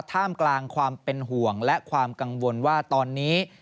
ท่ามกลางความเป็นห่วงและความกังวลว่าตอนนี้